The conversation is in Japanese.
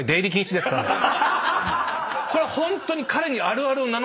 これホントに。